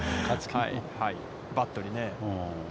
バットにね。